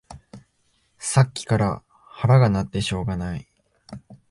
さっきから腹が鳴ってしょうがない